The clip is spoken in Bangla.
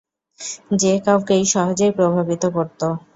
যে কাউকেই সহজেই প্রভাবিত করত।